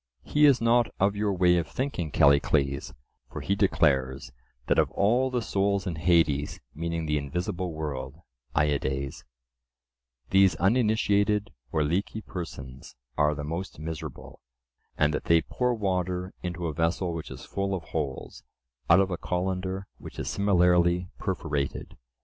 He is not of your way of thinking, Callicles, for he declares, that of all the souls in Hades, meaning the invisible world (aeides), these uninitiated or leaky persons are the most miserable, and that they pour water into a vessel which is full of holes out of a colander which is similarly perforated.